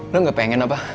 lo gak pengen apa